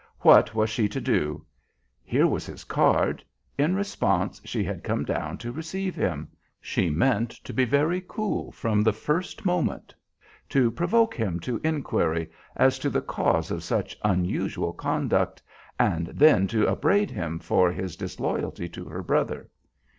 What was she to do? Here was his card. In response she had come down to receive him. She meant to be very cool from the first moment; to provoke him to inquiry as to the cause of such unusual conduct, and then to upbraid him for his disloyalty to her brother.